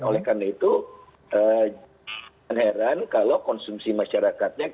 oleh karena itu menyerangkan kalau konsumsi masyarakatnya